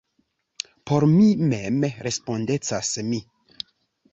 Por mi mem respondecas mi.